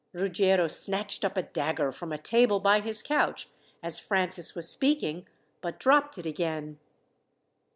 Ruggiero snatched up a dagger from a table by his couch as Francis was speaking, but dropped it again.